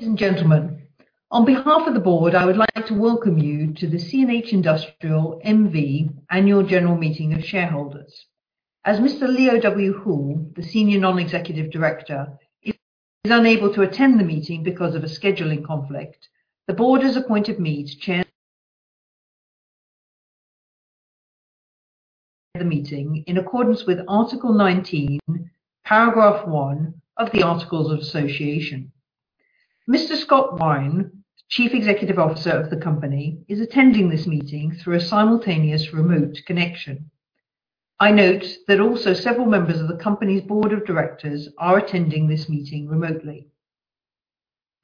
Ladies and gentlemen, on behalf of the board, I would like to welcome you to the CNH Industrial NV Annual General Meeting of shareholders. As Mr. Leo W. Houle, the senior non-executive director, is unable to attend the meeting because of a scheduling conflict, the board has appointed me to chair the meeting in accordance with Article 19, paragraph 1 of the Articles of Association. Mr. Scott Wine, Chief Executive Officer of the company, is attending this meeting through a simultaneous remote connection. I note that also several members of the company's Board of Directors are attending this meeting remotely.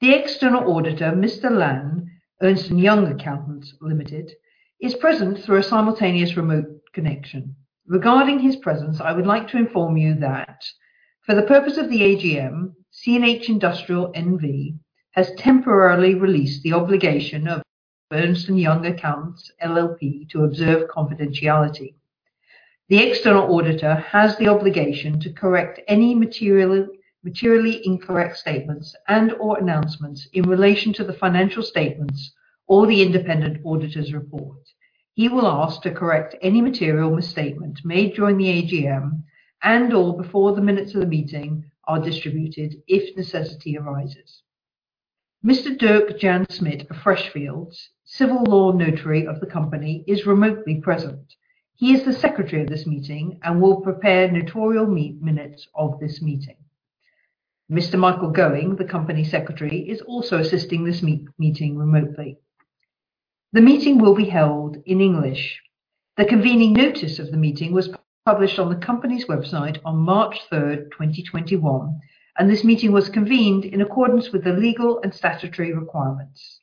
The external auditor, Mr. Loonen, Ernst & Young Accountants LLP, is present through a simultaneous remote connection. Regarding his presence, I would like to inform you that, for the purpose of the AGM, CNH Industrial NV has temporarily released the obligation of Ernst & Young Accountants LLP to observe confidentiality. The external auditor has the obligation to correct any materially incorrect statements and/or announcements in relation to the financial statements or the independent auditor's report. He will ask to correct any material misstatement made during the AGM and/or before the minutes of the meeting are distributed if necessity arises. Mr. Dirk-Jan Smit of Freshfields, civil law notary of the company, is remotely present. He is the secretary of this meeting and will prepare notarial minutes of this meeting. Mr. Michael Going, the company secretary, is also assisting this meeting remotely. The meeting will be held in English. The convening notice of the meeting was published on the company's website on March 3rd, 2021, and this meeting was convened in accordance with the legal and statutory requirements.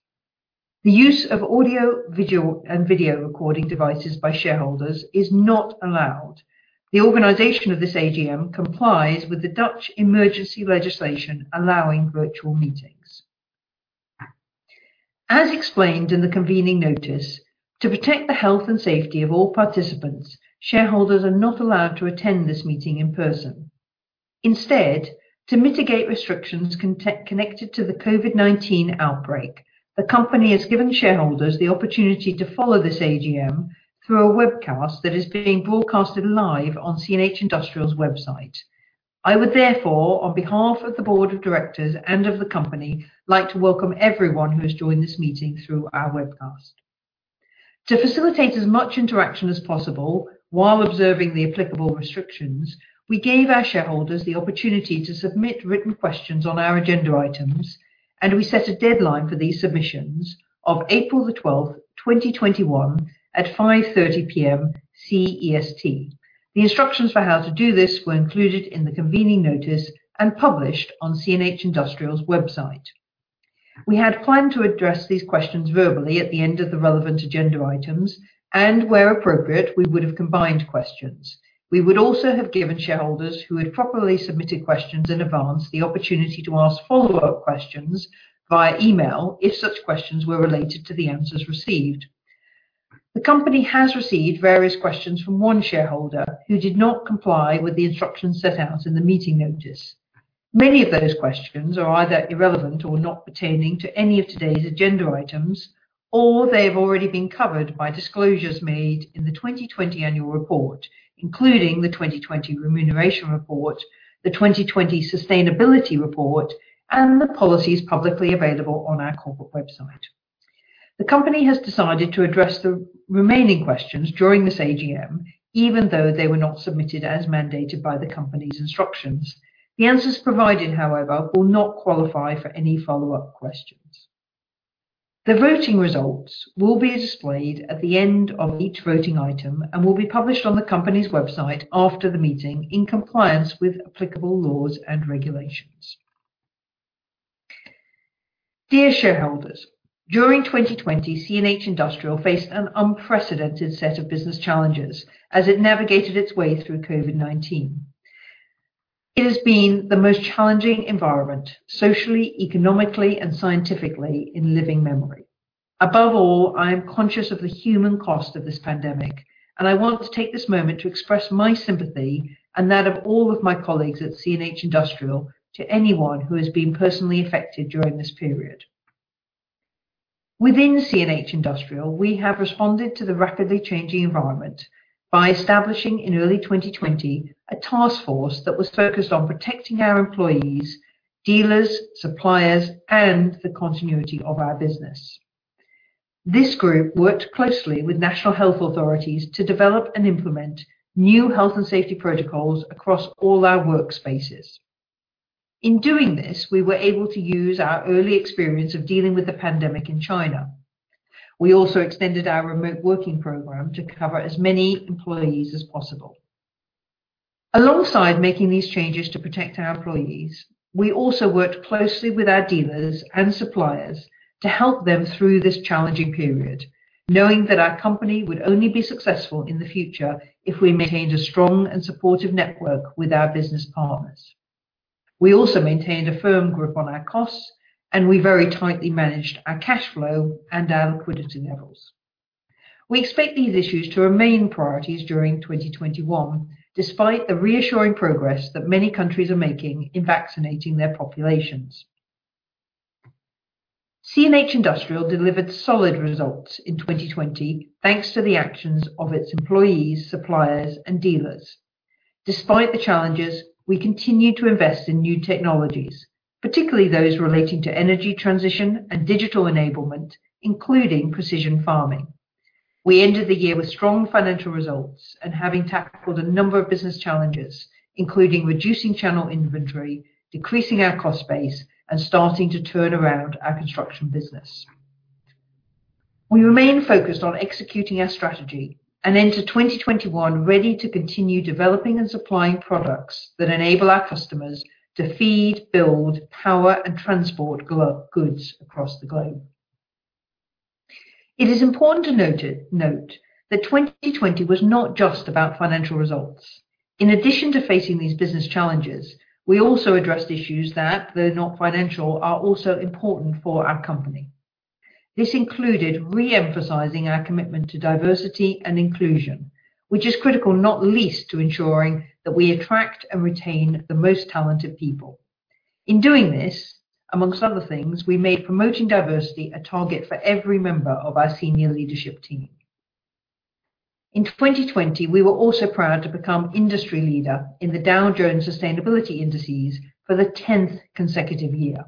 The use of audio and video recording devices by shareholders is not allowed. The organization of this AGM complies with the Dutch emergency legislation allowing virtual meetings. As explained in the convening notice, to protect the health and safety of all participants, shareholders are not allowed to attend this meeting in person. Instead, to mitigate restrictions connected to the COVID-19 outbreak, the company has given shareholders the opportunity to follow this AGM through a webcast that is being broadcast live on CNH Industrial's website. I would therefore, on behalf of the Board of Directors and of the company, like to welcome everyone who has joined this meeting through our webcast. To facilitate as much interaction as possible while observing the applicable restrictions, we gave our shareholders the opportunity to submit written questions on our agenda items, and we set a deadline for these submissions of April 12th, 2021, at 5:30 P.M. CEST. The instructions for how to do this were included in the convening notice and published on CNH Industrial's website. We had planned to address these questions verbally at the end of the relevant agenda items, and where appropriate, we would have combined questions. We would also have given shareholders who had properly submitted questions in advance the opportunity to ask follow-up questions via email if such questions were related to the answers received. The company has received various questions from one shareholder who did not comply with the instructions set out in the meeting notice. Many of those questions are either irrelevant or not pertaining to any of today's agenda items, or they have already been covered by disclosures made in the 2020 annual report, including the 2020 Remuneration Report, the 2020 Sustainability Report, and the policies publicly available on our corporate website. The company has decided to address the remaining questions during this AGM, even though they were not submitted as mandated by the company's instructions. The answers provided, however, will not qualify for any follow-up questions. The voting results will be displayed at the end of each voting item and will be published on the company's website after the meeting in compliance with applicable laws and regulations. Dear shareholders, during 2020, CNH Industrial faced an unprecedented set of business challenges as it navigated its way through COVID-19. It has been the most challenging environment, socially, economically, and scientifically, in living memory. Above all, I am conscious of the human cost of this pandemic, and I want to take this moment to express my sympathy and that of all of my colleagues at CNH Industrial to anyone who has been personally affected during this period. Within CNH Industrial, we have responded to the rapidly changing environment by establishing in early 2020 a task force that was focused on protecting our employees, dealers, suppliers, and the continuity of our business. This group worked closely with national health authorities to develop and implement new health and safety protocols across all our workspaces. In doing this, we were able to use our early experience of dealing with the pandemic in China. We also extended our remote working program to cover as many employees as possible. Alongside making these changes to protect our employees, we also worked closely with our dealers and suppliers to help them through this challenging period, knowing that our company would only be successful in the future if we maintained a strong and supportive network with our business partners. We also maintained a firm grip on our costs, and we very tightly managed our cash flow and our liquidity levels. We expect these issues to remain priorities during 2021, despite the reassuring progress that many countries are making in vaccinating their populations. CNH Industrial delivered solid results in 2020 thanks to the actions of its employees, suppliers, and dealers. Despite the challenges, we continue to invest in new technologies, particularly those relating to energy transition and digital enablement, including precision farming. We ended the year with strong financial results and having tackled a number of business challenges, including reducing channel inventory, decreasing our cost base, and starting to turn around our construction business. We remain focused on executing our strategy and enter 2021 ready to continue developing and supplying products that enable our customers to feed, build, power, and transport goods across the globe. It is important to note that 2020 was not just about financial results. In addition to facing these business challenges, we also addressed issues that, though not financial, are also important for our company. This included re-emphasizing our commitment to diversity and inclusion, which is critical, not least, to ensuring that we attract and retain the most talented people. In doing this, among other things, we made promoting diversity a target for every member of our senior leadership team. In 2020, we were also proud to become industry leader in the Dow Jones Sustainability Indices for the 10th consecutive year.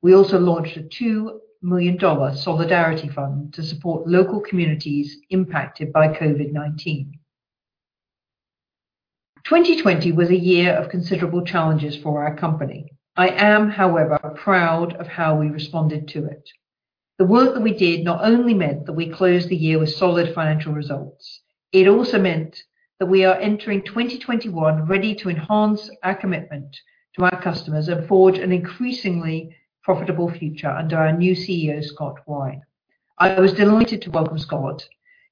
We also launched a $2 million solidarity fund to support local communities impacted by COVID-19. 2020 was a year of considerable challenges for our company. I am, however, proud of how we responded to it. The work that we did not only meant that we closed the year with solid financial results. It also meant that we are entering 2021 ready to enhance our commitment to our customers and forge an increasingly profitable future under our new CEO, Scott Wine. I was delighted to welcome Scott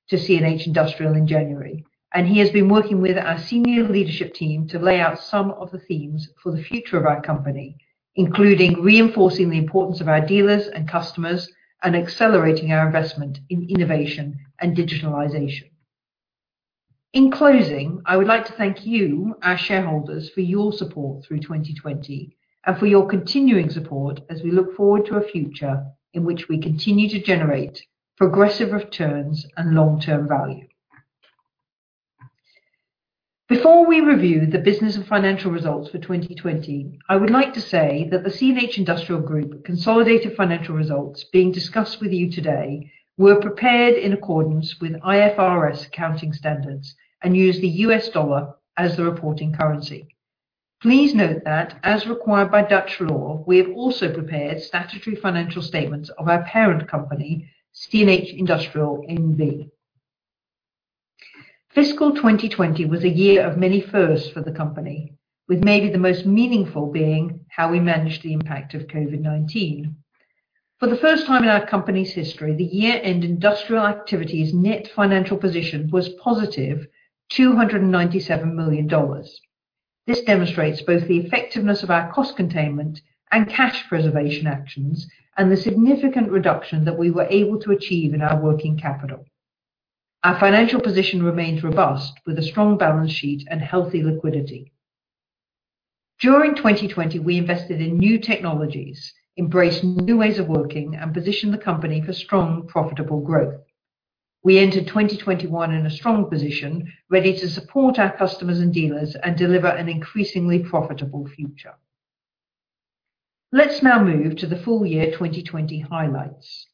to CNH Industrial in January, and he has been working with our senior leadership team to lay out some of the themes for the future of our company, including reinforcing the importance of our dealers and customers and accelerating our investment in innovation and digitalization. In closing, I would like to thank you, our shareholders, for your support through 2020 and for your continuing support as we look forward to a future in which we continue to generate progressive returns and long-term value. Before we review the business and financial results for 2020, I would like to say that the CNH Industrial Group consolidated financial results being discussed with you today were prepared in accordance with IFRS accounting standards and used the U.S. dollar as the reporting currency. Please note that, as required by Dutch law, we have also prepared statutory financial statements of our parent company, CNH Industrial NV. Fiscal 2020 was a year of many firsts for the company, with maybe the most meaningful being how we managed the impact of COVID-19. For the first time in our company's history, the year-end industrial activities net financial position was positive $297 million. This demonstrates both the effectiveness of our cost containment and cash preservation actions and the significant reduction that we were able to achieve in our working capital. Our financial position remains robust, with a strong balance sheet and healthy liquidity. During 2020, we invested in new technologies, embraced new ways of working, and positioned the company for strong, profitable growth. We entered 2021 in a strong position, ready to support our customers and dealers and deliver an increasingly profitable future. Let's now move to the full year 2020 highlights.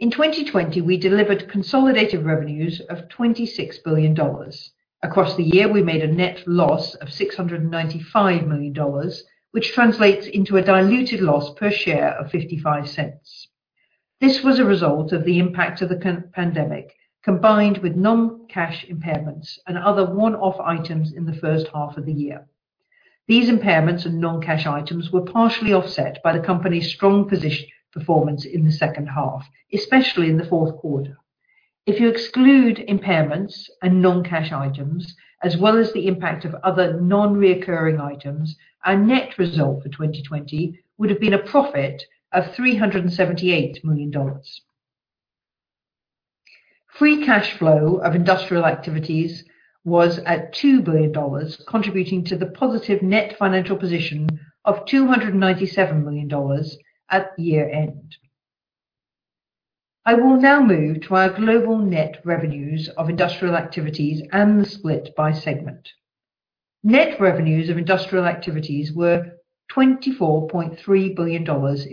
In 2020, we delivered consolidated revenues of $26 billion. Across the year, we made a net loss of $695 million, which translates into a diluted loss per share of $0.55. This was a result of the impact of the pandemic, combined with non-cash impairments and other one-off items in the first half of the year. These impairments and non-cash items were partially offset by the company's strong position performance in the second half, especially in the fourth quarter. If you exclude impairments and non-cash items, as well as the impact of other non-recurring items, our net result for 2020 would have been a profit of $378 million. Free cash flow of industrial activities was at $2 billion, contributing to the positive net financial position of $297 million at year-end. I will now move to our global net revenues of industrial activities and the split by segment. Net revenues of industrial activities were $24.3 billion in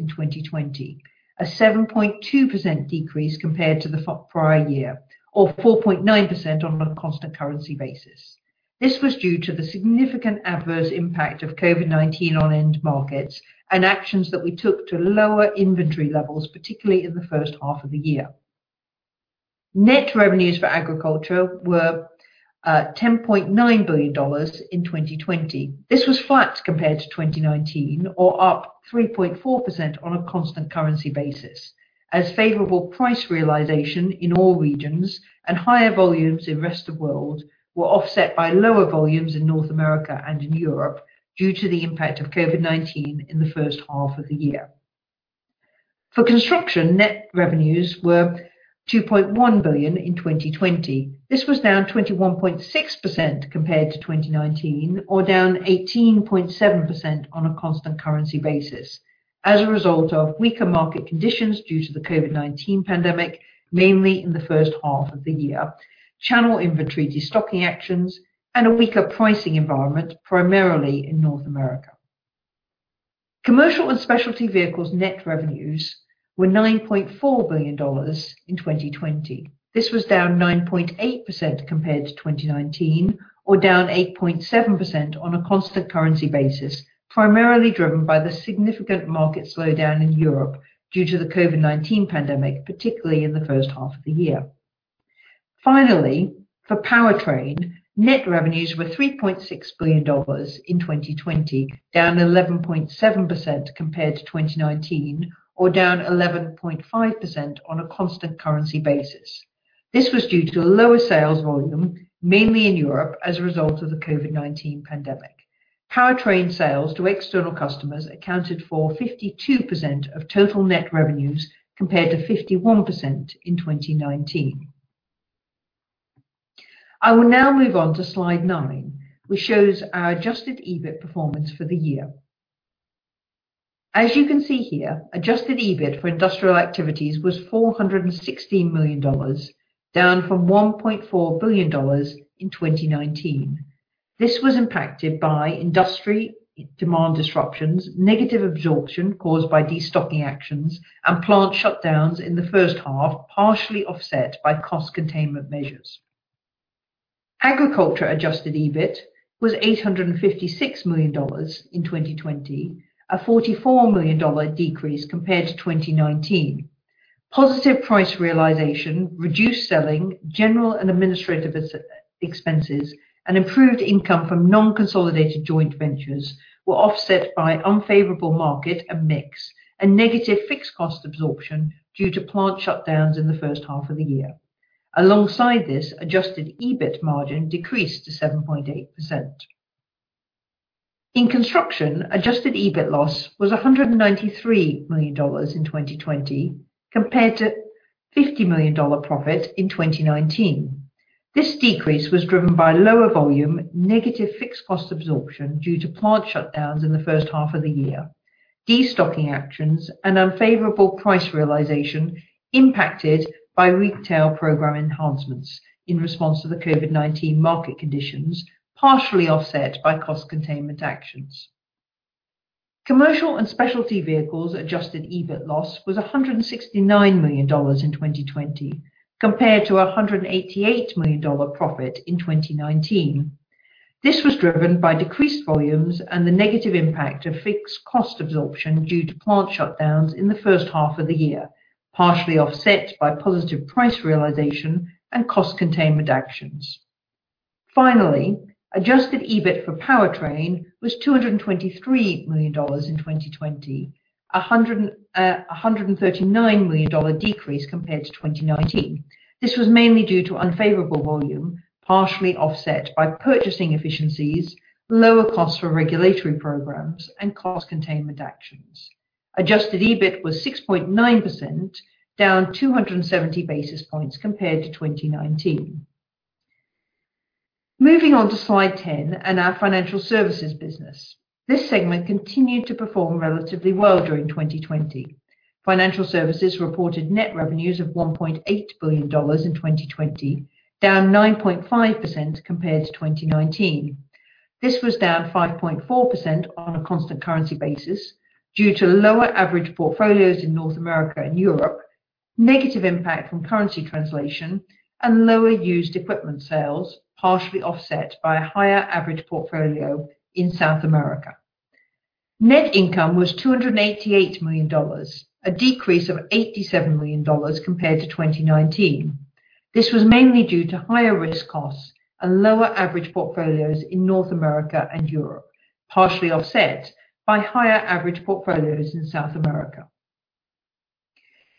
2020, a 7.2% decrease compared to the prior year, or 4.9% on a constant currency basis. This was due to the significant adverse impact of COVID-19 on end markets and actions that we took to lower inventory levels, particularly in the first half of the year. Net revenues for agriculture were $10.9 billion in 2020. This was flat compared to 2019, or up 3.4% on a constant currency basis. As favorable price realization in all regions and higher volumes in the rest of the world were offset by lower volumes in North America and in Europe due to the impact of COVID-19 in the first half of the year. For construction, net revenues were $2.1 billion in 2020. This was down 21.6% compared to 2019, or down 18.7% on a constant currency basis, as a result of weaker market conditions due to the COVID-19 pandemic, mainly in the first half of the year, channel inventory destocking actions, and a weaker pricing environment, primarily in North America. Commercial and specialty vehicles net revenues were $9.4 billion in 2020. This was down 9.8% compared to 2019, or down 8.7% on a constant currency basis, primarily driven by the significant market slowdown in Europe due to the COVID-19 pandemic, particularly in the first half of the year. Finally, for powertrain, net revenues were $3.6 billion in 2020, down 11.7% compared to 2019, or down 11.5% on a constant currency basis. This was due to a lower sales volume, mainly in Europe, as a result of the COVID-19 pandemic. Powertrain sales to external customers accounted for 52% of total net revenues compared to 51% in 2019. I will now move on to slide nine, which shows our adjusted EBIT performance for the year. As you can see here, adjusted EBIT for industrial activities was $416 million, down from $1.4 billion in 2019. This was impacted by industry demand disruptions, negative absorption caused by destocking actions, and plant shutdowns in the first half, partially offset by cost containment measures. Agriculture adjusted EBIT was $856 million in 2020, a $44 million decrease compared to 2019. Positive price realization, reduced selling, general and administrative expenses, and improved income from non-consolidated joint ventures were offset by unfavorable market and mix and negative fixed cost absorption due to plant shutdowns in the first half of the year. Alongside this, Adjusted EBIT margin decreased to 7.8%. In construction, Adjusted EBIT loss was $193 million in 2020 compared to $50 million profit in 2019. This decrease was driven by lower volume, negative fixed cost absorption due to plant shutdowns in the first half of the year, destocking actions, and unfavorable price realization impacted by retail program enhancements in response to the COVID-19 market conditions, partially offset by cost containment actions. Commercial and specialty vehicles Adjusted EBIT loss was $169 million in 2020 compared to a $188 million profit in 2019. This was driven by decreased volumes and the negative impact of fixed cost absorption due to plant shutdowns in the first half of the year, partially offset by positive price realization and cost containment actions. Finally, adjusted EBIT for powertrain was $223 million in 2020, a $139 million decrease compared to 2019. This was mainly due to unfavorable volume, partially offset by purchasing efficiencies, lower costs for regulatory programs, and cost containment actions. Adjusted EBIT was 6.9%, down 270 basis points compared to 2019. Moving on to slide 10 and our financial services business. This segment continued to perform relatively well during 2020. Financial services reported net revenues of $1.8 billion in 2020, down 9.5% compared to 2019. This was down 5.4% on a constant currency basis due to lower average portfolios in North America and Europe, negative impact from currency translation, and lower used equipment sales, partially offset by a higher average portfolio in South America. Net income was $288 million, a decrease of $87 million compared to 2019. This was mainly due to higher risk costs and lower average portfolios in North America and Europe, partially offset by higher average portfolios in South America.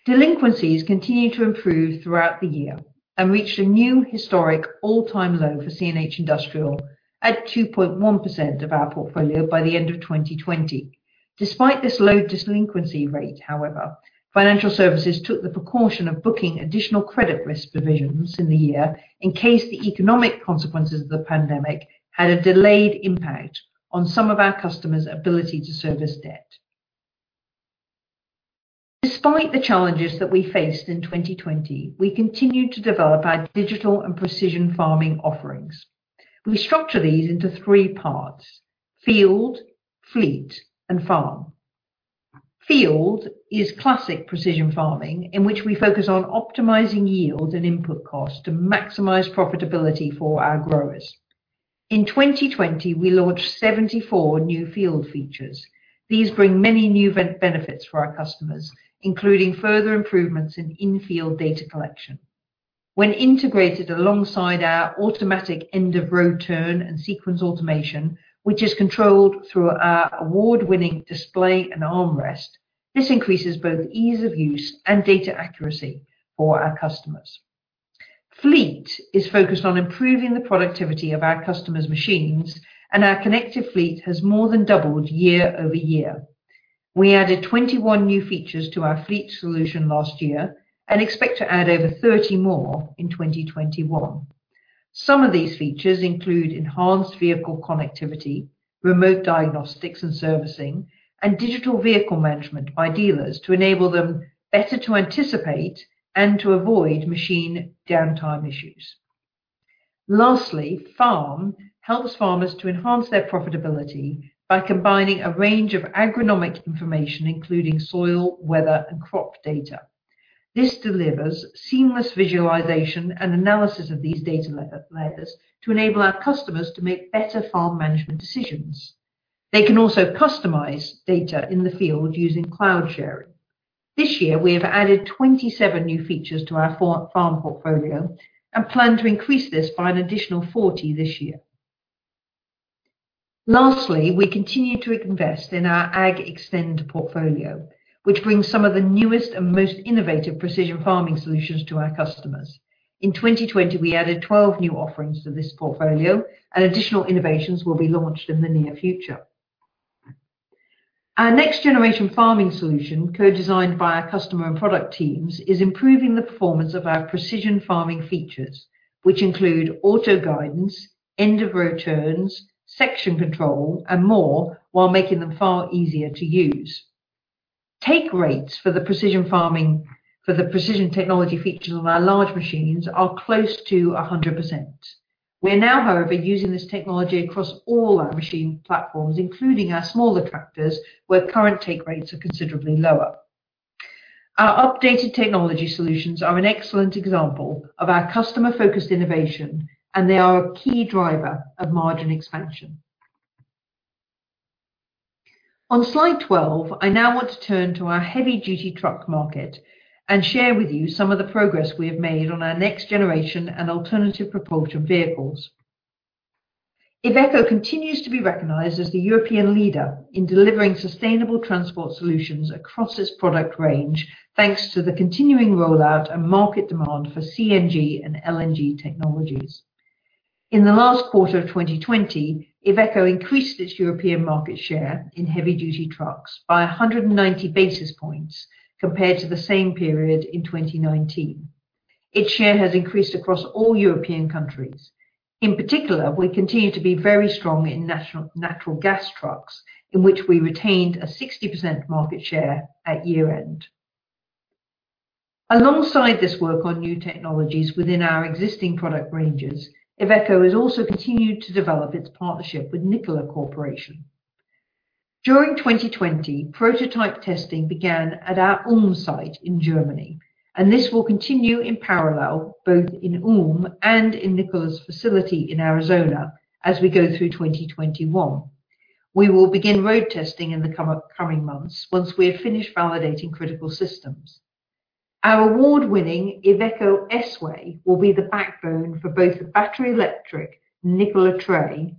Delinquencies continued to improve throughout the year and reached a new historic all-time low for CNH Industrial at 2.1% of our portfolio by the end of 2020. Despite this low delinquency rate, however, financial services took the precaution of booking additional credit risk provisions in the year in case the economic consequences of the pandemic had a delayed impact on some of our customers' ability to service debt. Despite the challenges that we faced in 2020, we continued to develop our digital and precision farming offerings. We structure these into three parts: Field, Fleet, and Farm. Field is classic precision farming in which we focus on optimizing yield and input costs to maximize profitability for our growers. In 2020, we launched 74 new field features. These bring many new benefits for our customers, including further improvements in in-field data collection. When integrated alongside our automatic end-of-row turn and sequence automation, which is controlled through our award-winning display and armrest, this increases both ease of use and data accuracy for our customers. Fleet is focused on improving the productivity of our customers' machines, and our connected fleet has more than doubled year over year. We added 21 new features to our fleet solution last year and expect to add over 30 more in 2021. Some of these features include enhanced vehicle connectivity, remote diagnostics and servicing, and digital vehicle management by dealers to enable them better to anticipate and to avoid machine downtime issues. Lastly, Farm helps farmers to enhance their profitability by combining a range of agronomic information, including soil, weather, and crop data. This delivers seamless visualization and analysis of these data layers to enable our customers to make better farm management decisions. They can also customize data in the field using cloud sharing. This year, we have added 27 new features to our Farm portfolio and plan to increase this by an additional 40 this year. Lastly, we continue to invest in our AGXTEND portfolio, which brings some of the newest and most innovative precision farming solutions to our customers. In 2020, we added 12 new offerings to this portfolio, and additional innovations will be launched in the near future. Our next generation farming solution, co-designed by our customer and product teams, is improving the performance of our precision farming features, which include auto guidance, end-of-row turns, section control, and more, while making them far easier to use. Take rates for the precision farming for the precision technology features on our large machines are close to 100%. We are now, however, using this technology across all our machine platforms, including our smaller tractors, where current take rates are considerably lower. Our updated technology solutions are an excellent example of our customer-focused innovation, and they are a key driver of margin expansion. On slide 12, I now want to turn to our heavy-duty truck market and share with you some of the progress we have made on our next generation and alternative propulsion vehicles. Iveco continues to be recognized as the European leader in delivering sustainable transport solutions across its product range, thanks to the continuing rollout and market demand for CNG and LNG technologies. In the last quarter of 2020, Iveco increased its European market share in heavy-duty trucks by 190 basis points compared to the same period in 2019. Its share has increased across all European countries. In particular, we continue to be very strong in natural gas trucks, in which we retained a 60% market share at year-end. Alongside this work on new technologies within our existing product ranges, Iveco has also continued to develop its partnership with Nikola Corporation. During 2020, prototype testing began at our Ulm site in Germany, and this will continue in parallel both in Ulm and in Nikola's facility in Arizona as we go through 2021. We will begin road testing in the coming months once we have finished validating critical systems. Our award-winning Iveco S-Way will be the backbone for both the battery electric Nikola Tre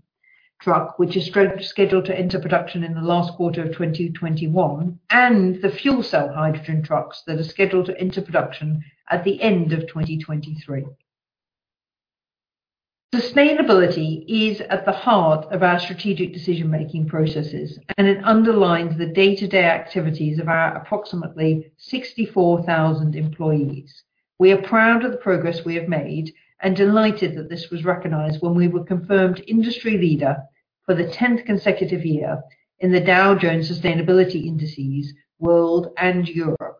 truck, which is scheduled to enter production in the last quarter of 2021, and the fuel cell hydrogen trucks that are scheduled to enter production at the end of 2023. Sustainability is at the heart of our strategic decision-making processes, and it underlines the day-to-day activities of our approximately 64,000 employees. We are proud of the progress we have made and delighted that this was recognized when we were confirmed industry leader for the 10th consecutive year in the Dow Jones Sustainability Indices World and Europe.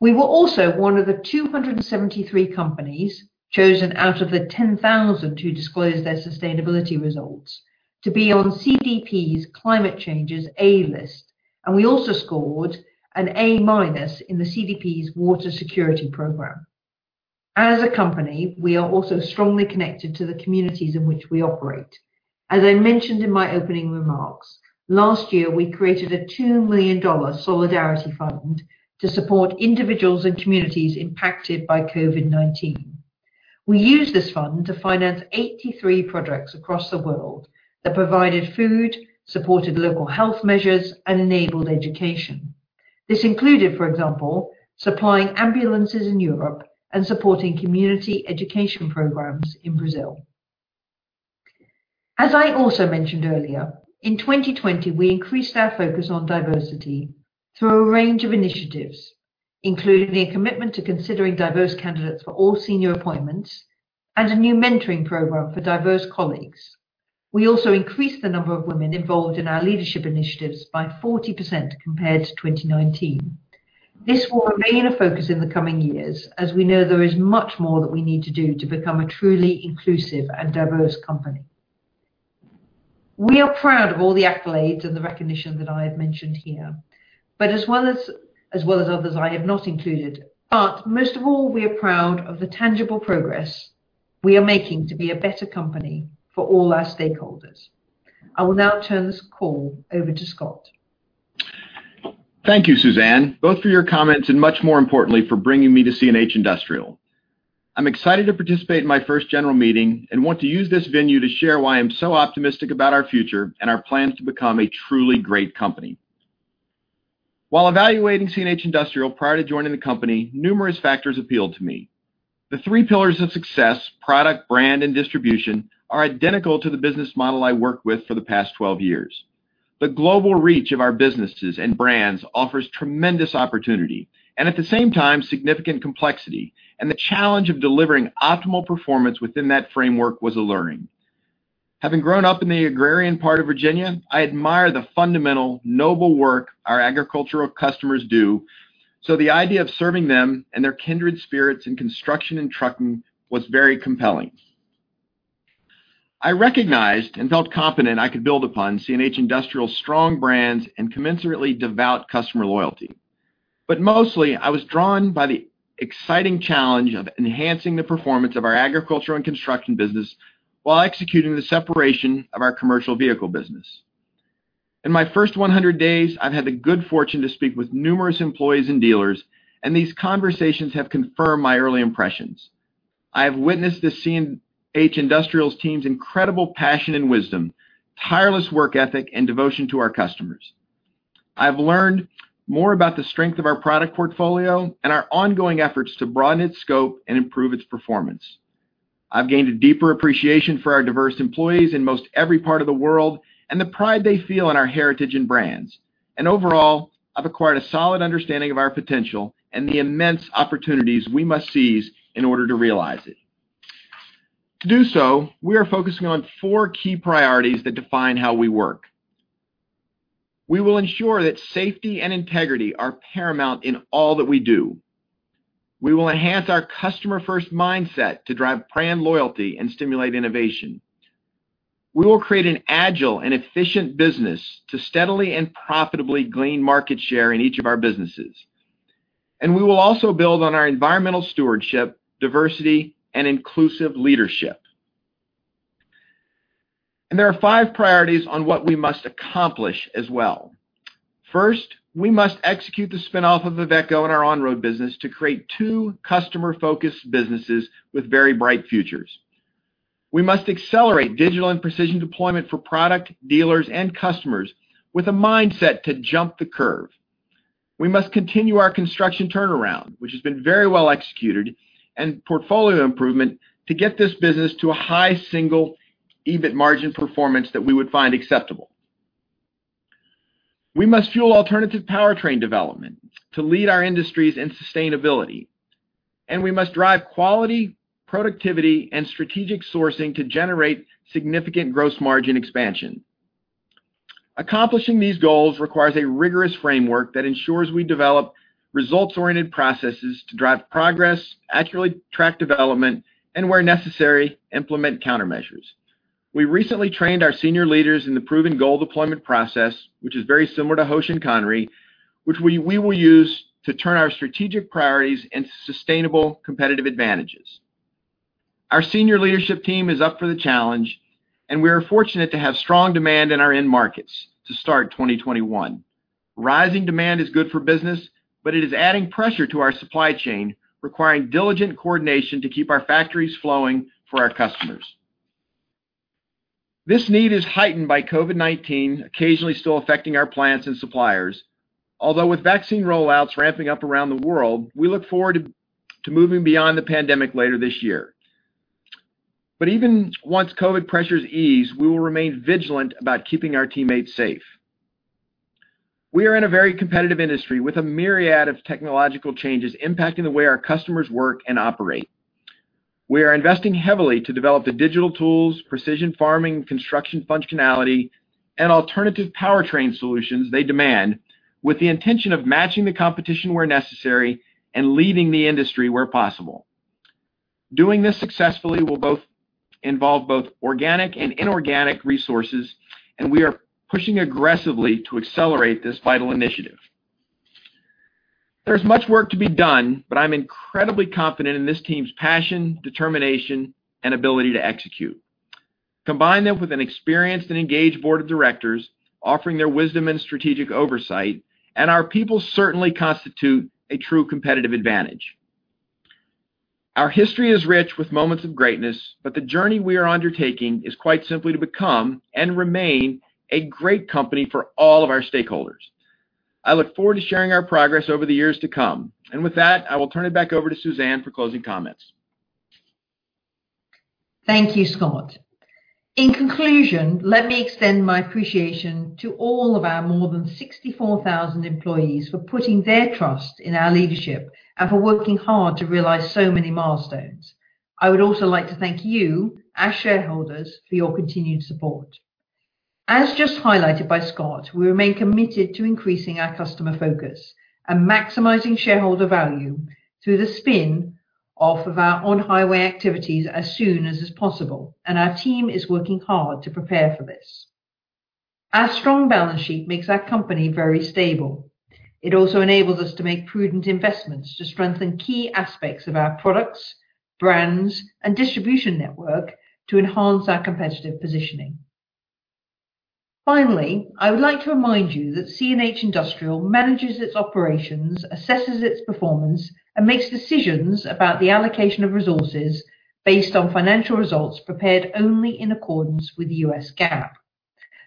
We were also one of the 273 companies chosen out of the 10,000 to disclose their sustainability results to be on CDP's Climate Change A List, and we also scored an A- in the CDP's Water Security Program. As a company, we are also strongly connected to the communities in which we operate. As I mentioned in my opening remarks, last year, we created a $2 million solidarity fund to support individuals and communities impacted by COVID-19. We used this fund to finance 83 projects across the world that provided food, supported local health measures, and enabled education. This included, for example, supplying ambulances in Europe and supporting community education programs in Brazil. As I also mentioned earlier, in 2020, we increased our focus on diversity through a range of initiatives, including a commitment to considering diverse candidates for all senior appointments and a new mentoring program for diverse colleagues. We also increased the number of women involved in our leadership initiatives by 40% compared to 2019. This will remain a focus in the coming years, as we know there is much more that we need to do to become a truly inclusive and diverse company. We are proud of all the accolades and the recognition that I have mentioned here, but as well as others I have not included. But most of all, we are proud of the tangible progress we are making to be a better company for all our stakeholders. I will now turn this call over to Scott. Thank you, Suzanne, both for your comments and, much more importantly, for bringing me to CNH Industrial. I'm excited to participate in my first general meeting and want to use this venue to share why I'm so optimistic about our future and our plans to become a truly great company. While evaluating CNH Industrial prior to joining the company, numerous factors appealed to me. The three pillars of success, product, brand, and distribution, are identical to the business model I worked with for the past 12 years. The global reach of our businesses and brands offers tremendous opportunity and, at the same time, significant complexity, and the challenge of delivering optimal performance within that framework was alluring. Having grown up in the agrarian part of Virginia, I admire the fundamental noble work our agricultural customers do, so the idea of serving them and their kindred spirits in construction and trucking was very compelling. I recognized and felt confident I could build upon CNH Industrial's strong brands and commensurately devout customer loyalty. But mostly, I was drawn by the exciting challenge of enhancing the performance of our agricultural and construction business while executing the separation of our commercial vehicle business. In my first 100 days, I've had the good fortune to speak with numerous employees and dealers, and these conversations have confirmed my early impressions. I have witnessed the CNH Industrial team's incredible passion and wisdom, tireless work ethic, and devotion to our customers. I've learned more about the strength of our product portfolio and our ongoing efforts to broaden its scope and improve its performance. I've gained a deeper appreciation for our diverse employees in most every part of the world and the pride they feel in our heritage and brands. And overall, I've acquired a solid understanding of our potential and the immense opportunities we must seize in order to realize it. To do so, we are focusing on four key priorities that define how we work. We will ensure that safety and integrity are paramount in all that we do. We will enhance our customer-first mindset to drive brand loyalty and stimulate innovation. We will create an agile and efficient business to steadily and profitably gain market share in each of our businesses. And we will also build on our environmental stewardship, diversity, and inclusive leadership. And there are five priorities on what we must accomplish as well. First, we must execute the spinoff of Iveco in our on-road business to create two customer-focused businesses with very bright futures. We must accelerate digital and precision deployment for product dealers and customers with a mindset to jump the curve. We must continue our construction turnaround, which has been very well executed, and portfolio improvement to get this business to a high single EBIT margin performance that we would find acceptable. We must fuel alternative powertrain development to lead our industries in sustainability. And we must drive quality, productivity, and strategic sourcing to generate significant gross margin expansion. Accomplishing these goals requires a rigorous framework that ensures we develop results-oriented processes to drive progress, accurately track development, and where necessary, implement countermeasures. We recently trained our senior leaders in the proven goal deployment process, which is very similar to Hoshin Kanri, which we will use to turn our strategic priorities into sustainable competitive advantages. Our senior leadership team is up for the challenge, and we are fortunate to have strong demand in our end markets to start 2021. Rising demand is good for business, but it is adding pressure to our supply chain, requiring diligent coordination to keep our factories flowing for our customers. This need is heightened by COVID-19, occasionally still affecting our plants and suppliers. Although with vaccine rollouts ramping up around the world, we look forward to moving beyond the pandemic later this year, but even once COVID pressures ease, we will remain vigilant about keeping our teammates safe. We are in a very competitive industry with a myriad of technological changes impacting the way our customers work and operate. We are investing heavily to develop the digital tools, precision farming, construction functionality, and alternative powertrain solutions they demand, with the intention of matching the competition where necessary and leading the industry where possible. Doing this successfully will involve both organic and inorganic resources, and we are pushing aggressively to accelerate this vital initiative. There's much work to be done, but I'm incredibly confident in this team's passion, determination, and ability to execute. Combine that with an experienced and engaged Board of Directors offering their wisdom and strategic oversight, and our people certainly constitute a true competitive advantage. Our history is rich with moments of greatness, but the journey we are undertaking is quite simply to become and remain a great company for all of our stakeholders. I look forward to sharing our progress over the years to come. And with that, I will turn it back over to Suzanne for closing comments. Thank you, Scott. In conclusion, let me extend my appreciation to all of our more than 64,000 employees for putting their trust in our leadership and for working hard to realize so many milestones. I would also like to thank you, our shareholders, for your continued support. As just highlighted by Scott, we remain committed to increasing our customer focus and maximizing shareholder value through the spin off of our on-highway activities as soon as possible, and our team is working hard to prepare for this. Our strong balance sheet makes our company very stable. It also enables us to make prudent investments to strengthen key aspects of our products, brands, and distribution network to enhance our competitive positioning. Finally, I would like to remind you that CNH Industrial manages its operations, assesses its performance, and makes decisions about the allocation of resources based on financial results prepared only in accordance with US GAAP.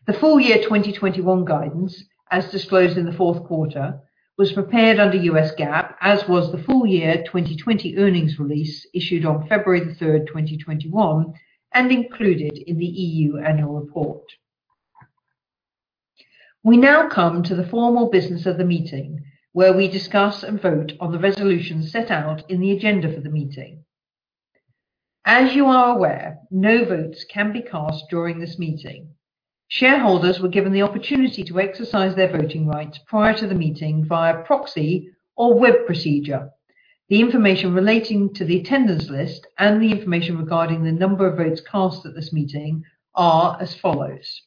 The full year 2021 guidance, as disclosed in the fourth quarter, was prepared under US GAAP, as was the full year 2020 earnings release issued on February 3rd, 2021, and included in the EU annual report. We now come to the formal business of the meeting, where we discuss and vote on the resolutions set out in the agenda for the meeting. As you are aware, no votes can be cast during this meeting. Shareholders were given the opportunity to exercise their voting rights prior to the meeting via proxy or web procedure. The information relating to the attendance list and the information regarding the number of votes cast at this meeting are as follows.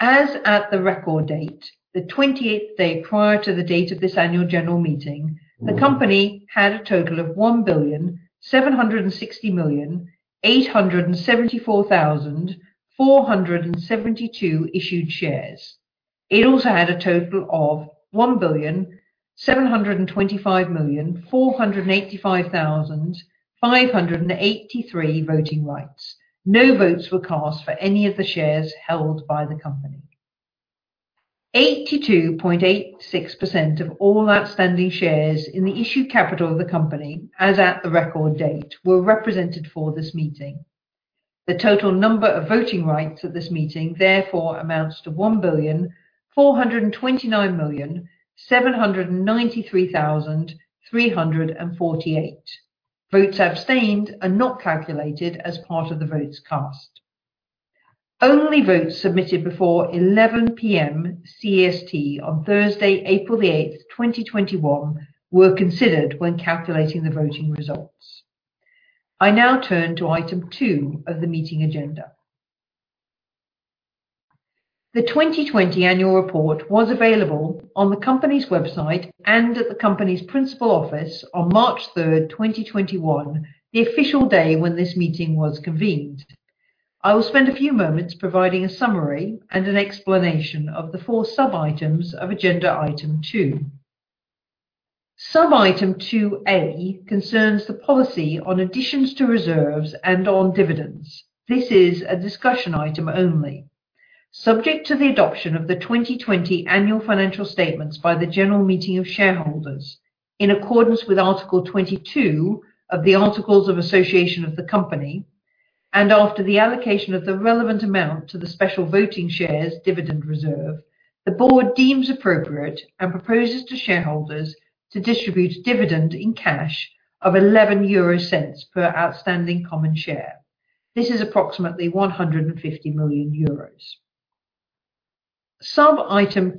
As at the record date, the 28th day prior to the date of this Annual General Meeting, the company had a total of 1,760,874,472 issued shares. It also had a total of 1,725,485,583 voting rights. No votes were cast for any of the shares held by the company. 82.86% of all outstanding shares in the issued capital of the company, as at the record date, were represented for this meeting. The total number of voting rights at this meeting, therefore, amounts to 1,429,793,348. Votes abstained are not calculated as part of the votes cast. Only votes submitted before 11:00 P.M. CEST on Thursday, April 8, 2021, were considered when calculating the voting results. I now turn to item two of the meeting agenda. The 2020 annual report was available on the company's website and at the company's principal office on March 3, 2021, the official day when this meeting was convened. I will spend a few moments providing a summary and an explanation of the four sub-items of agenda item two. Sub-item 2A concerns the policy on additions to reserves and on dividends. This is a discussion item only. Subject to the adoption of the 2020 annual financial statements by the general meeting of shareholders in accordance with Article 22 of the Articles of Association of the Company, and after the allocation of the relevant amount to the special voting shares dividend reserve, the board deems appropriate and proposes to shareholders to distribute dividend in cash of 0.11 per outstanding common share. This is approximately 150 million euros. Sub-item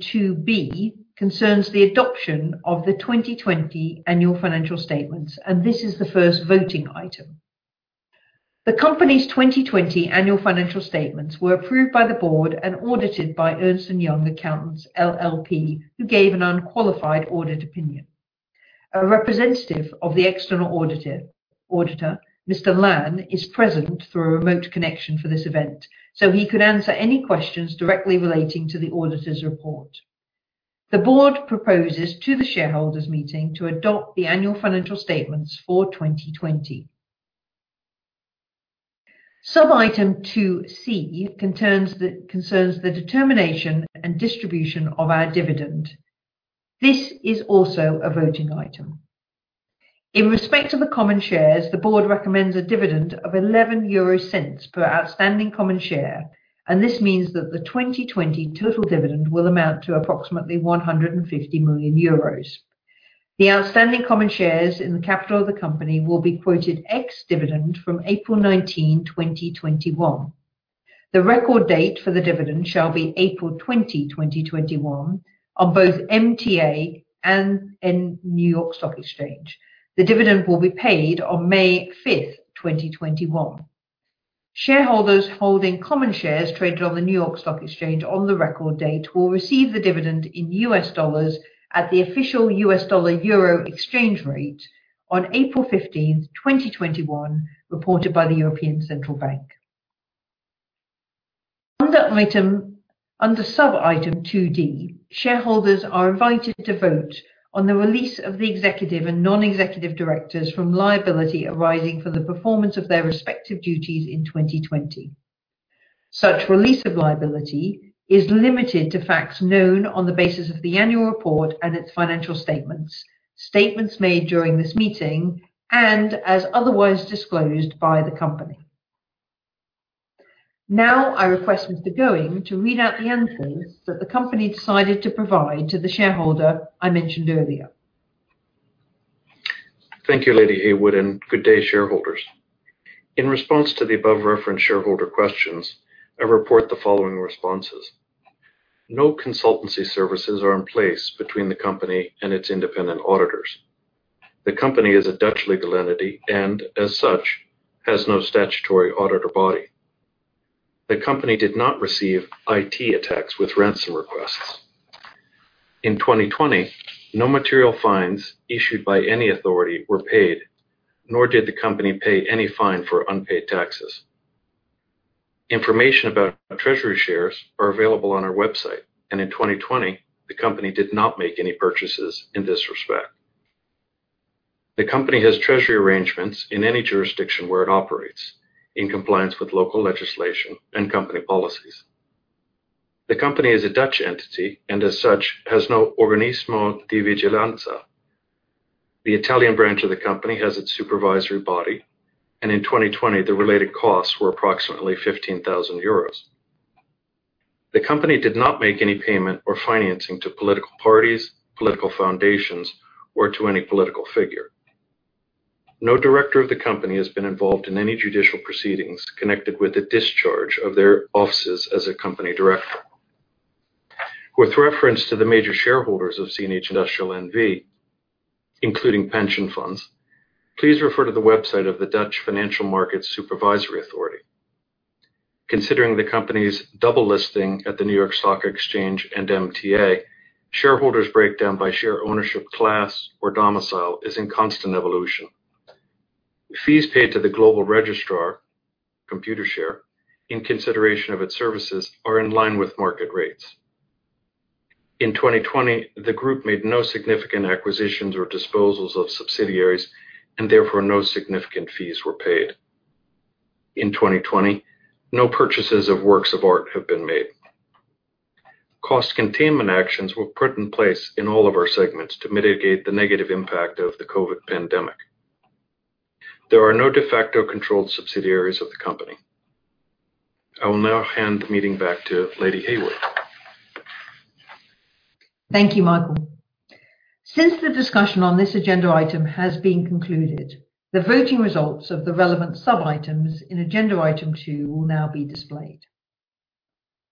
2B concerns the adoption of the 2020 annual financial statements, and this is the first voting item. The company's 2020 annual financial statements were approved by the board and audited by Ernst & Young Accountants LLP, who gave an unqualified audit opinion. A representative of the external auditor, Olaf Loonen, is present through a remote connection for this event, so he could answer any questions directly relating to the auditor's report. The board proposes to the shareholders' meeting to adopt the annual financial statements for 2020. Sub-item 2C concerns the determination and distribution of our dividend. This is also a voting item. In respect of the common shares, the board recommends a dividend of 0.11 per outstanding common share, and this means that the 2020 total dividend will amount to approximately 150 million euros. The outstanding common shares in the capital of the company will be quoted ex-dividend from April 19, 2021. The record date for the dividend shall be April 20, 2021, on both MTA and New York Stock Exchange. The dividend will be paid on May 5th, 2021. Shareholders holding common shares traded on the New York Stock Exchange on the record date will receive the dividend in US dollars at the official US dollar/euro exchange rate on April 15th, 2021, reported by the European Central Bank. Under sub-item 2D, shareholders are invited to vote on the release of the executive and non-executive directors from liability arising from the performance of their respective duties in 2020. Such release of liability is limited to facts known on the basis of the annual report and its financial statements, statements made during this meeting, and as otherwise disclosed by the company. Now, I request Mr. Going to read out the answers that the company decided to provide to the shareholder I mentioned earlier. Thank you, Lady Heywood, and good day, shareholders. In response to the above-referenced shareholder questions, I report the following responses. No consultancy services are in place between the company and its independent auditors. The company is a Dutch legal entity and, as such, has no statutory auditor body. The company did not receive IT attacks with ransom requests. In 2020, no material fines issued by any authority were paid, nor did the company pay any fine for unpaid taxes. Information about treasury shares is available on our website, and in 2020, the company did not make any purchases in this respect. The company has treasury arrangements in any jurisdiction where it operates, in compliance with local legislation and company policies. The company is a Dutch entity and, as such, has no Organismo di Vigilanza. The Italian branch of the company has its supervisory body, and in 2020, the related costs were approximately 15,000 euros. The company did not make any payment or financing to political parties, political foundations, or to any political figure. No director of the company has been involved in any judicial proceedings connected with the discharge of their offices as a company director. With reference to the major shareholders of CNH Industrial NV, including pension funds, please refer to the website of the Dutch Authority for the Financial Markets. Considering the company's double listing at the New York Stock Exchange and MTA, shareholders' breakdown by share ownership class or domicile is in constant evolution. Fees paid to the Global Registrar Computershare, in consideration of its services, are in line with market rates. In 2020, the group made no significant acquisitions or disposals of subsidiaries, and therefore, no significant fees were paid. In 2020, no purchases of works of art have been made. Cost containment actions were put in place in all of our segments to mitigate the negative impact of the COVID pandemic. There are no de facto controlled subsidiaries of the company. I will now hand the meeting back to Lady Heywood. Thank you, Michael. Since the discussion on this agenda item has been concluded, the voting results of the relevant sub-items in agenda item two will now be displayed.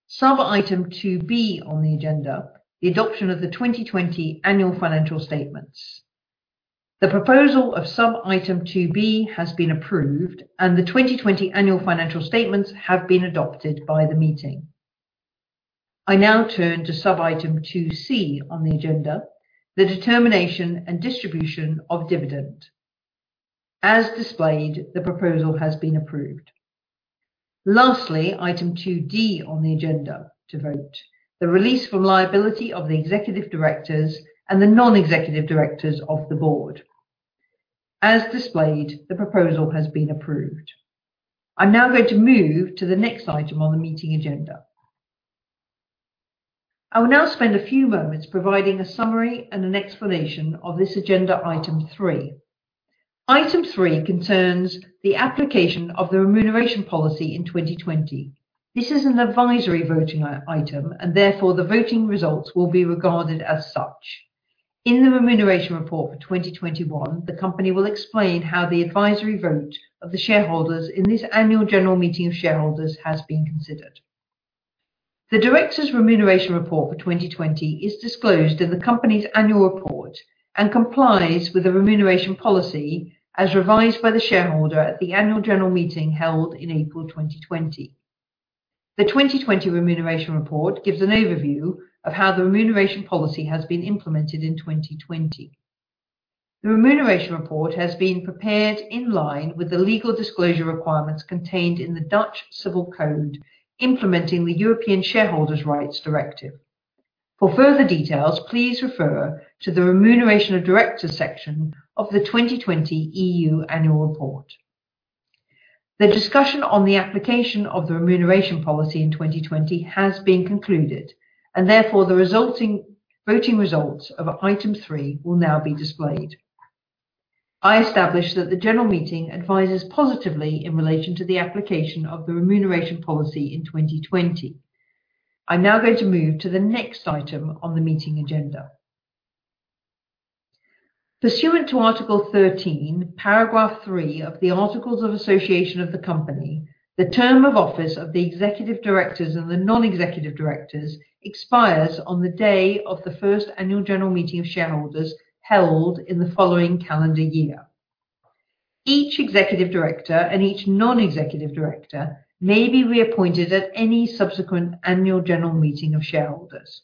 Sub-item 2B on the agenda, the adoption of the 2020 annual financial statements. The proposal of sub-item 2B has been approved, and the 2020 annual financial statements have been adopted by the meeting. I now turn to sub-item 2C on the agenda, the determination and distribution of dividend. As displayed, the proposal has been approved. Lastly, item 2D on the agenda to vote, the release from liability of the executive directors and the non-executive directors of the board. As displayed, the proposal has been approved. I'm now going to move to the next item on the meeting agenda. I will now spend a few moments providing a summary and an explanation of this agenda item three. Item three concerns the application of the remuneration policy in 2020. This is an advisory voting item, and therefore, the voting results will be regarded as such. In the remuneration report for 2021, the company will explain how the advisory vote of the shareholders in this Annual General Meeting of shareholders has been considered. The director's remuneration report for 2020 is disclosed in the company's annual report and complies with the remuneration policy as revised by the shareholder at the Annual General Meeting held in April 2020. The 2020 remuneration report gives an overview of how the remuneration policy has been implemented in 2020. The remuneration report has been prepared in line with the legal disclosure requirements contained in the Dutch Civil Code implementing the European Shareholders' Rights Directive. For further details, please refer to the remuneration of directors section of the 2020 EU annual report. The discussion on the application of the remuneration policy in 2020 has been concluded, and therefore, the resulting voting results of item three will now be displayed. I establish that the general meeting advises positively in relation to the application of the remuneration policy in 2020. I'm now going to move to the next item on the meeting agenda. Pursuant to Article 13, Paragraph 3 of the Articles of Association of the Company, the term of office of the executive directors and the non-executive directors expires on the day of the first Annual General Meeting of shareholders held in the following calendar year. Each executive director and each non-executive director may be reappointed at any subsequent Annual General Meeting of shareholders.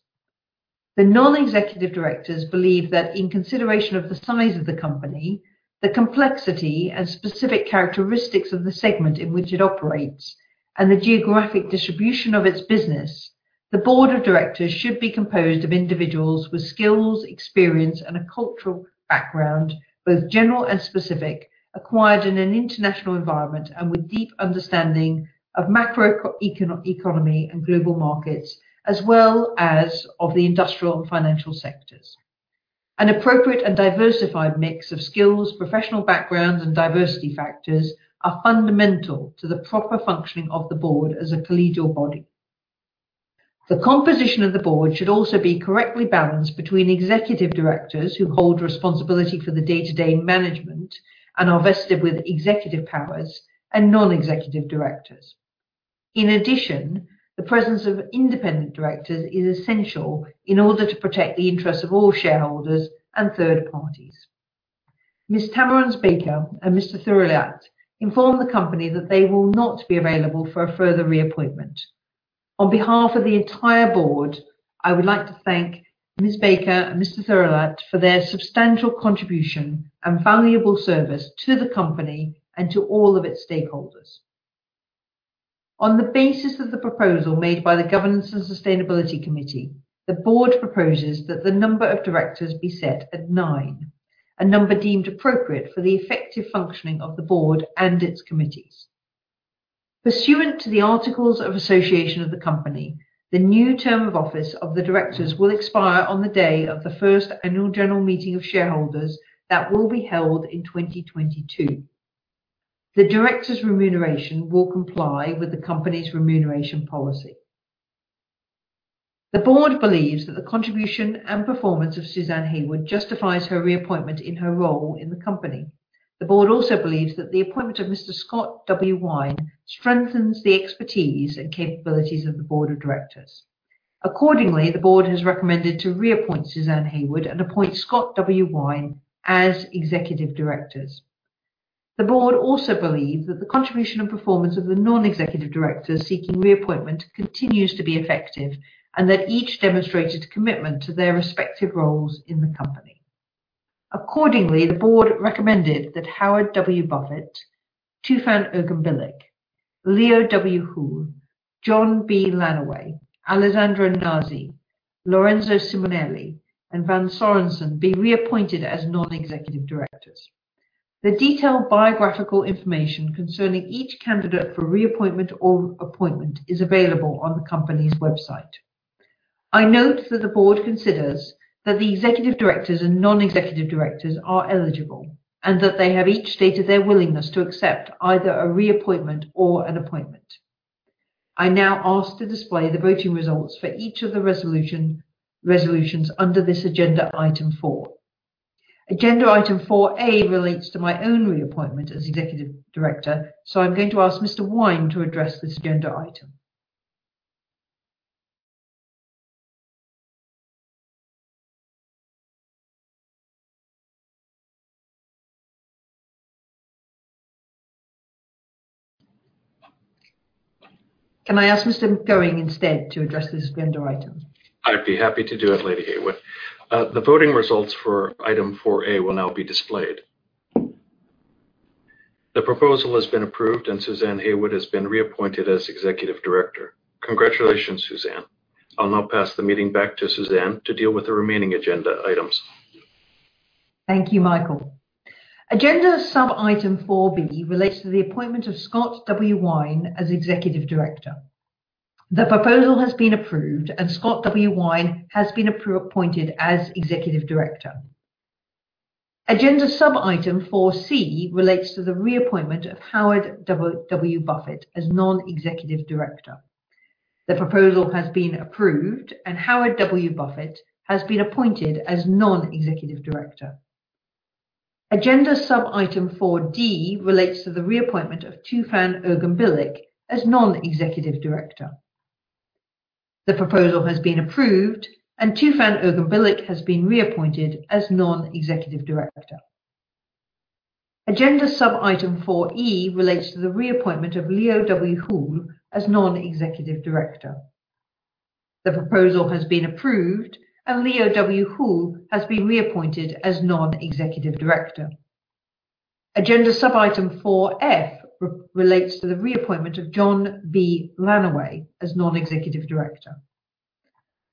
The non-executive directors believe that in consideration of the size of the company, the complexity and specific characteristics of the segment in which it operates, and the geographic distribution of its business, the Board of Directors should be composed of individuals with skills, experience, and a cultural background, both general and specific, acquired in an international environment, and with deep understanding of macroeconomy and global markets, as well as of the industrial and financial sectors. An appropriate and diversified mix of skills, professional backgrounds, and diversity factors are fundamental to the proper functioning of the board as a collegial body. The composition of the board should also be correctly balanced between executive directors who hold responsibility for the day-to-day management and are vested with executive powers and non-executive directors. In addition, the presence of independent directors is essential in order to protect the interests of all shareholders and third parties. Ms. Tammenoms Bakker and Mr. Theurillat informed the company that they will not be available for a further reappointment. On behalf of the entire board, I would like to thank Ms. Tammenoms Bakker and Mr. Theurillat for their substantial contribution and valuable service to the company and to all of its stakeholders. On the basis of the proposal made by the Governance and Sustainability Committee, the board proposes that the number of directors be set at nine, a number deemed appropriate for the effective functioning of the board and its committees. Pursuant to the Articles of Association of the Company, the new term of office of the directors will expire on the day of the first annual general meeting of shareholders that will be held in 2022. The directors' remuneration will comply with the company's remuneration policy. The board believes that the contribution and performance of Suzanne Heywood justifies her reappointment in her role in the company. The board also believes that the appointment of Mr. Scott W. Wine strengthens the expertise and capabilities of the board of directors. Accordingly, the board has recommended to reappoint Suzanne Heywood and appoint Scott W. Wine as executive directors. The board also believes that the contribution and performance of the non-executive directors seeking reappointment continues to be effective and that each demonstrated commitment to their respective roles in the company. Accordingly, the board recommended that Howard W. Buffett, Tufan Erginbilgic, Leo W. Houle, John B. Lanaway, Alessandro Nasi, Lorenzo Simonelli, and Vagn Sørensen be reappointed as non-executive directors. The detailed biographical information concerning each candidate for reappointment or appointment is available on the company's website. I note that the board considers that the Executive Directors and non-Executive Directors are eligible and that they have each stated their willingness to accept either a reappointment or an appointment. I now ask to display the voting results for each of the resolutions under this agenda item four. Agenda item 4A relates to my own reappointment as Executive Director, so I'm going to ask Mr. Wine to address this agenda item. Can I ask Mr. Going instead to address this agenda item? I'd be happy to do it, Suzanne Heywood. The voting results for item 4A will now be displayed. The proposal has been approved, and Suzanne Heywood has been reappointed as Executive Director. Congratulations, Suzanne. I'll now pass the meeting back to Suzanne to deal with the remaining agenda items. Thank you, Michael. Agenda sub-item 4B relates to the appointment of Scott W. Wine as Executive Director. The proposal has been approved, and Scott W. Wine has been appointed as executive director. Agenda sub-item 4C relates to the reappointment of Howard W. Buffett as non-executive director. The proposal has been approved, and Howard W. Buffett has been appointed as non-executive director. Agenda sub-item 4D relates to the reappointment of Tufan Erginbilgic as non-executive director. The proposal has been approved, and Tufan Erginbilgic has been reappointed as non-executive director. Agenda sub-item 4E relates to the reappointment of Leo W. Houle as non-executive director. The proposal has been approved, and Leo W. Houle has been reappointed as non-executive director. Agenda sub-item 4F relates to the reappointment of John B. Lanaway as non-executive director.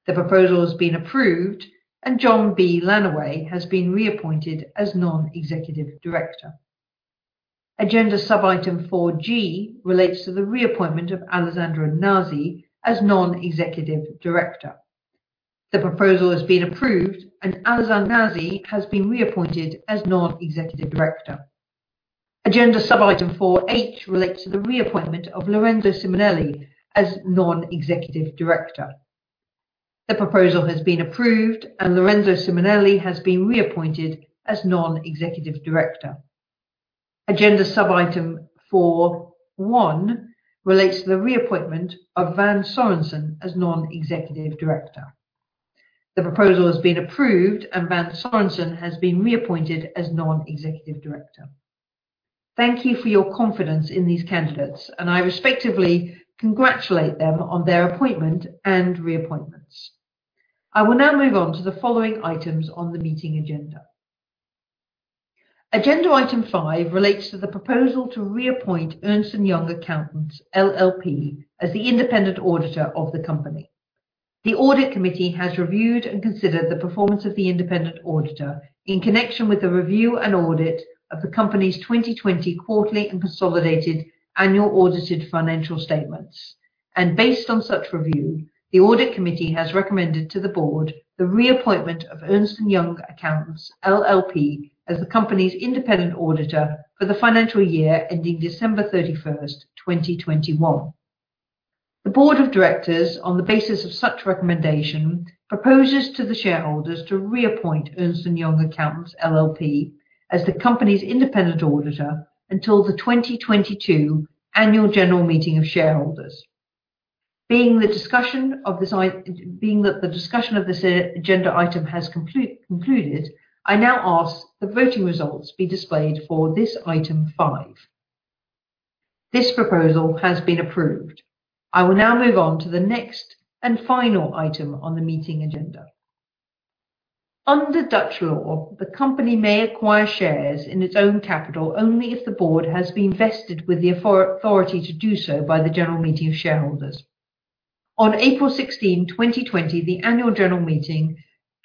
The proposal has been approved, and John B. Lanaway has been reappointed as non-executive director. Agenda sub-item 4G relates to the reappointment of Alessandro Nasi as non-executive director. The proposal has been approved, and Alessandro Nasi has been reappointed as non-executive director. Agenda sub-item 4H relates to the reappointment of Lorenzo Simonelli as non-executive director. The proposal has been approved, and Lorenzo Simonelli has been reappointed as non-executive director. Agenda sub-item 4I relates to the reappointment of Vagn Sørensen as non-executive director. The proposal has been approved, and Vagn Sørensen has been reappointed as non-executive director. Thank you for your confidence in these candidates, and I respectfully congratulate them on their appointment and reappointments. I will now move on to the following items on the meeting agenda. Agenda item five relates to the proposal to reappoint Ernst & Young Accountants LLP as the independent auditor of the company. The Audit Committee has reviewed and considered the performance of the independent auditor in connection with the review and audit of the company's 2020 quarterly and consolidated annual audited financial statements, and based on such review, the Audit Committee has recommended to the board the reappointment of Ernst & Young Accountants LLP as the company's independent auditor for the financial year ending December 31st, 2021. The Board of Directors, on the basis of such recommendation, proposes to the shareholders to reappoint Ernst & Young Accountants LLP as the company's independent auditor until the 2022 Annual General Meeting of shareholders. Being that the discussion of this agenda item has concluded, I now ask the voting results be displayed for this item five. This proposal has been approved. I will now move on to the next and final item on the meeting agenda. Under Dutch law, the company may acquire shares in its own capital only if the board has been vested with the authority to do so by the general meeting of shareholders. On April 16, 2020, the annual general meeting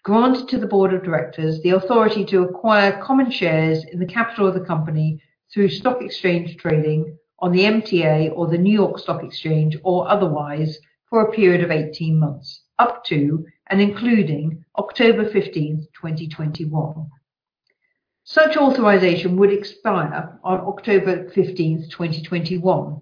granted to the Board of Directors the authority to acquire common shares in the capital of the company through stock exchange trading on the MTA or the New York Stock Exchange or otherwise for a period of 18 months up to and including October 15th, 2021. Such authorization would expire on October 15th, 2021.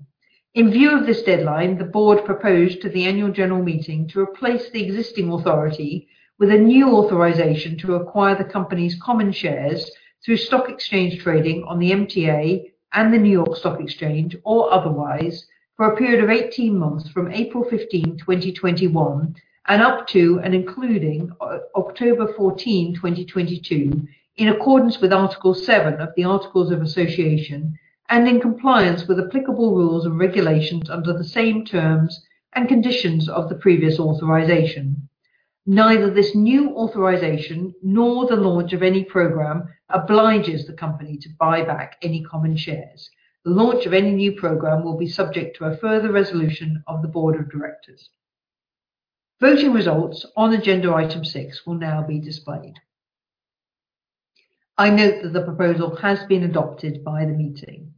In view of this deadline, the board proposed to the annual general meeting to replace the existing authority with a new authorization to acquire the company's common shares through stock exchange trading on the MTA and the New York Stock Exchange or otherwise for a period of 18 months from April 15th, 2021, and up to and including October 14th, 2022, in accordance with Article 7 of the Articles of Association and in compliance with applicable rules and regulations under the same terms and conditions of the previous authorization. Neither this new authorization nor the launch of any program obliges the company to buy back any common shares. The launch of any new program will be subject to a further resolution of the Board of Directors. Voting results on agenda item six will now be displayed. I note that the proposal has been adopted by the meeting.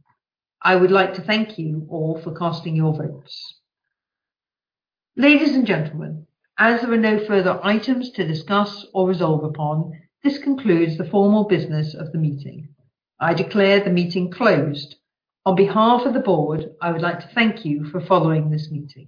I would like to thank you all for casting your votes. Ladies and gentlemen, as there are no further items to discuss or resolve upon, this concludes the formal business of the meeting. I declare the meeting closed. On behalf of the board, I would like to thank you for following this meeting.